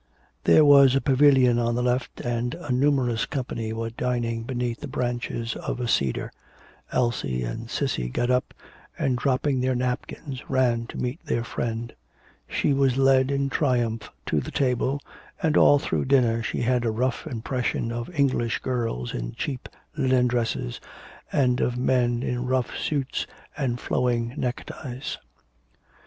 There was a pavilion on the left and a numerous company were dining beneath the branches of a cedar. Elsie and Cissy got up, and dropping their napkins ran to meet their friend. She was led in triumph to the table, and all through dinner she had a rough impression of English girls in cheap linen dresses and of men in rough suits and flowing neck ties.